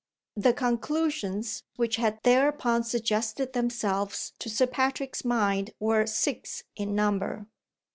The conclusions which had thereupon suggested themselves to Sir Patrick's mind were six in number.